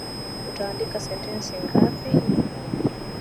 Uta andika sentensi ngapi?